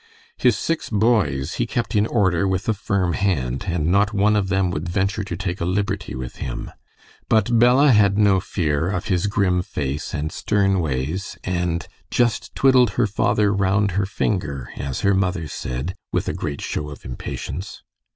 His six boys he kept in order with a firm hand, and not one of them would venture to take a liberty with him. But Bella had no fear of his grim face and stern ways, and "just twiddled her father round her finger," as her mother said, with a great show of impatience.